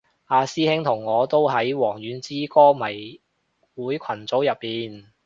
阿師兄同我都喺王菀之歌迷會群組入面